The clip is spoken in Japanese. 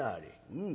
うん。